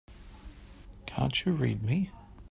Can't you read me?